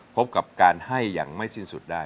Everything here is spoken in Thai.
พบกับการให้อย่างไม่สิ้นสุดได้